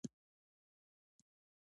اګوست کُنت دا علم د بیا کتنې پوهه بولي.